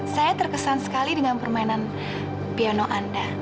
saya terkesan sekali dengan permainan piano anda